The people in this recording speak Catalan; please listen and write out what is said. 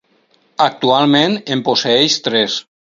Actualment, en posseeix tres.